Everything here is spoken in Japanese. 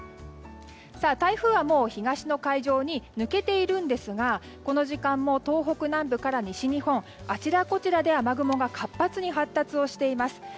台風は東の海上に抜けているんですがこの時間も東北南部から西日本のあちらこちらで雨雲が活発に発達しています。